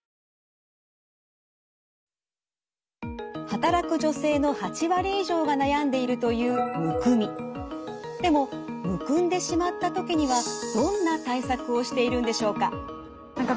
働く女性の８割以上が悩んでいるというでもむくんでしまった時にはどんな対策をしているんでしょうか？